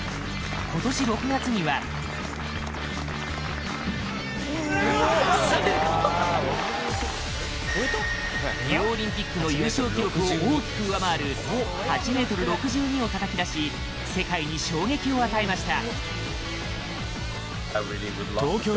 ことし６月にはリオオリンピックの優勝記録を大きく上回る８ｍ６２をたたき出し世界に衝撃を与えました。